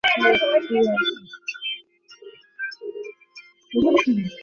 ঘটনাটা আমি বের করব, এবং তোমাকে উপযুক্ত শাস্তি দিব।